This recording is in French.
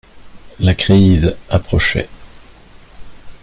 La crise approchait.